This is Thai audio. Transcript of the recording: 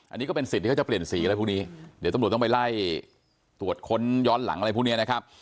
อันนี้ก็เป็นสิทธิ์ที่เขาจะเปลี่ยนสีอะไรพวกนี้เดี๋ยวตำรวจต้องไปไล่ตรวจค้นย้อนหลังอะไรพวกนี้นะครับ